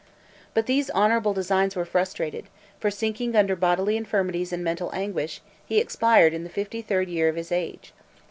But these honorable designs were frustrated; for, sinking under bodily infirmities and mental anguish, he expired in the fifty third year of his age.